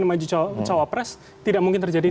di maju cawa pres tidak mungkin terjadi di pdip